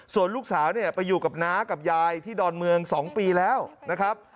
ส่วนลูกสาวเนี่ยไปอยู่กับน้ากับยายที่ดอนเมือง๒ปีแล้วนะครับ